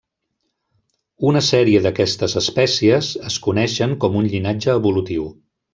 Una sèrie d'aquestes espècies es coneixen com un llinatge evolutiu.